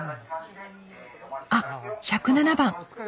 あっ１０７番。